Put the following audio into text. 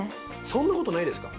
そんなことないですか？